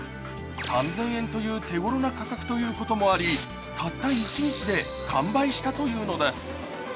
３０００円という手頃な価格ということもありたった一日で完売したというのです。